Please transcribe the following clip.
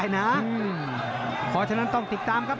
เพราะฉะนั้นต้องติดตามครับ